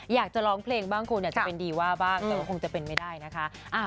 อยากจะร้องเพลงบ้างคุณอาจจะเป็นดีว่าบ้างแต่ว่าคงจะเป็นไม่ได้นะคะ